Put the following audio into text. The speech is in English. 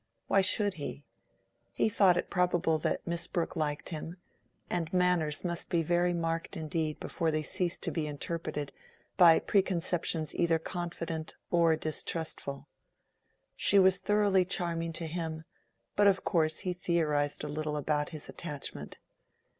Why should he? He thought it probable that Miss Brooke liked him, and manners must be very marked indeed before they cease to be interpreted by preconceptions either confident or distrustful. She was thoroughly charming to him, but of course he theorized a little about his attachment.